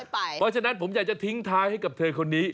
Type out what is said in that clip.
เพราะฉะนั้นผมอยากจะทิ้งท้ายให้กับเธอคนนี้